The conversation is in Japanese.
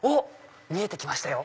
見えて来ましたよ。